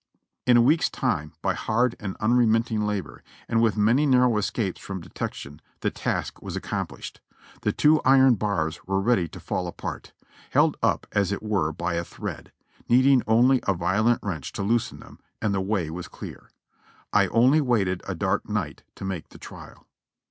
In a week's time, by hard and unremitting labor, and with many narrow escapes from detection, the task was accomplished. The two iron bars were ready to fall apart, held up as it were by a thread, needing only a violent wrench to loosen them, and the way was clear. I only waited a dark night to make the trial.